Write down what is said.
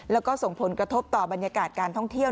แล้วก็ส่งผลกระทบต่อบรรยากาศการท่องเที่ยว